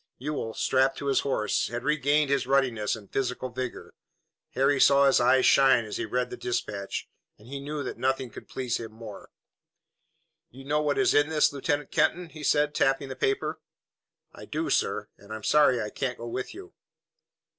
Ewell, strapped to his horse, had regained his ruddiness and physical vigor. Harry saw his eyes shine as he read the dispatch, and he knew that nothing could please him more. "You know what is in this, Lieutenant Kenton?" he said, tapping the paper. "I do, sir, and I'm sorry I can't go with you."